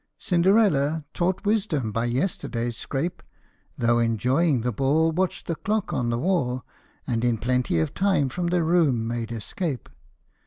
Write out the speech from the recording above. Cinderella, taught wisdom by yesterday's scrape, Though enjoying the ball, Watched the clock on the wall, And in plenty of time from the room made escape.